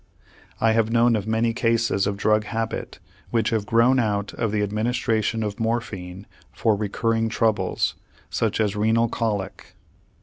I have known of many cases of drug habit which have grown out of the administration of morphine for recurring troubles, such as renal colic.